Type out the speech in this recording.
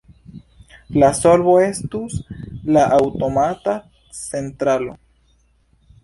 La solvo estus la aŭtomata centralo.